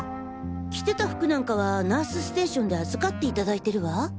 着てた服なんかはナースステーションで預かっていただいてるわ。